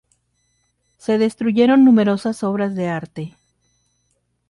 Se destruyeron numerosas obras de arte.